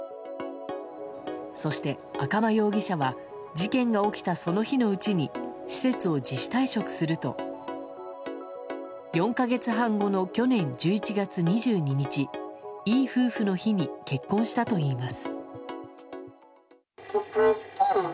そして、赤間容疑者は事件が起きたその日のうちに施設を自主退職すると４か月半後の去年１１月２２日いい夫婦の日に結婚したといいます。